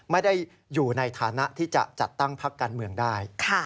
ไม่ได้อยู่ในฐานะที่จะจัดตั้งพักการเมืองได้